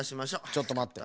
ちょっとまって。